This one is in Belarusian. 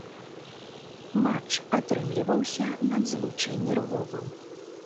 Матч атрымліваўся надзвычай нервовым.